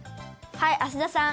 はい芦田さん。